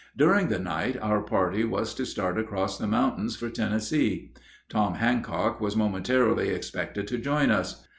During the night our party was to start across the mountains for Tennessee. Tom Handcock was momentarily expected to join us.